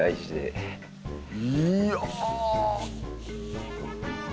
いや。